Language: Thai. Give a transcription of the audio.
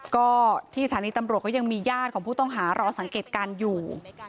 ก็ที่สถานีตำรวจก็ยังมีญาติของผู้ต้องหารอสังเกตการณ์อยู่